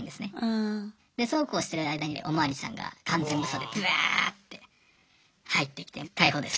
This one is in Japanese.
でそうこうしてる間にお巡りさんが完全武装でブワーッて入ってきて逮捕です。